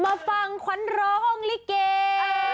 มาฟังควันร้องลิเกย์